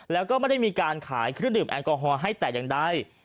แล้วก็ไม่ได้มีการขายเครื่องดื่มแอลกอฮอล์ให้แต่อย่างใด